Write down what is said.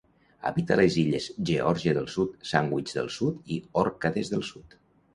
Habita les illes Geòrgia del Sud, Sandwich del Sud i Òrcades del Sud.